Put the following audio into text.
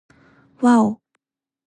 わぁお